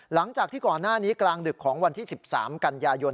หลังจากที่ก่อนหน้านี้กลางดึกของวันที่๑๓กันยายน